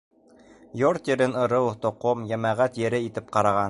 Йорт-ерен ырыу, тоҡом, йәмәғәт ере итеп ҡараған.